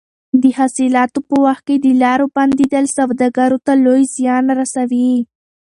د حاصلاتو په وخت کې د لارو بندېدل سوداګرو ته لوی زیان رسوي.